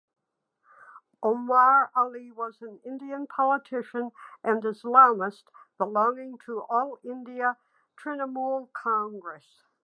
Omar Ali was an Indian politician and Islamist belonging to All India Trinamool Congress.